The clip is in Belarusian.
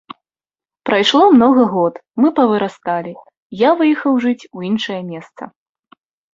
Прайшло многа год, мы павырасталі, я выехаў жыць у іншае месца.